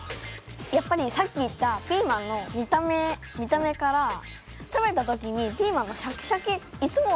やっぱりさっき言ったピーマンの見た目から食べた時にピーマンがシャキシャキ。